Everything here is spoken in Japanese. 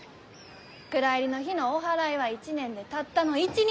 蔵入りの日のおはらいは一年でたったの一日！